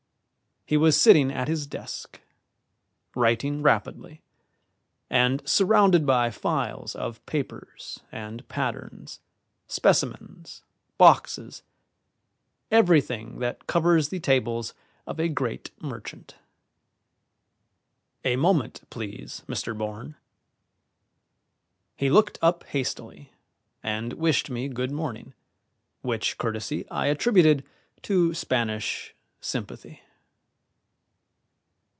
He was sitting at his desk, writing rapidly, and surrounded by files of papers and patterns, specimens, boxes, everything that covers the tables of a great merchant. "A moment, please, Mr. Bourne." He looked up hastily, and wished me good morning, which courtesy I attributed to Spanish sympathy.